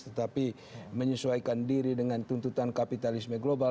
tetapi menyesuaikan diri dengan tuntutan kapitalisme global